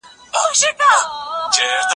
موږ غواړو چي ټول ماشومان باسواده سي.